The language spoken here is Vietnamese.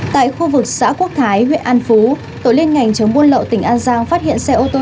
tại khu vực xã quốc thái huyện an phú tổ liên ngành chống buôn lậu tỉnh an giang phát hiện xe ô tô